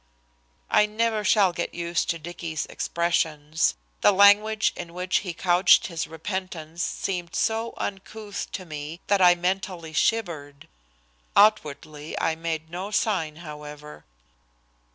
I never shall get used to Dicky's expressions. The language in which he couched his repentance seemed so uncouth to me that I mentally shivered. Outwardly I made no sign, however.